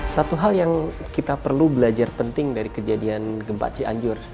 satu hal yang kita perlu belajar penting dari kejadian gempa cianjur